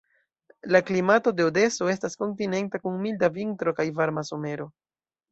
La klimato de Odeso estas kontinenta kun milda vintro kaj varma somero.